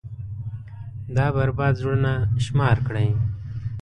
دا بـربـاد زړونه شمار كړئ.